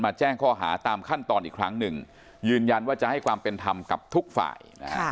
แจ้งข้อหาตามขั้นตอนอีกครั้งหนึ่งยืนยันว่าจะให้ความเป็นธรรมกับทุกฝ่ายนะฮะ